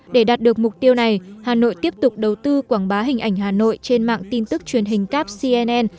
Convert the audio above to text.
để đạt được mục tiêu này hà nội tiếp tục đầu tư quảng bá hình ảnh hà nội trên mạng tin tức truyền hình cáp cnn